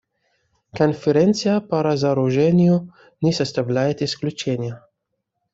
Конференция по разоружению не составляет исключения.